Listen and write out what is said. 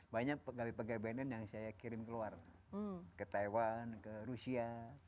banyak pegawai bnn yang saya kirim keluar ke taiwan ke rusia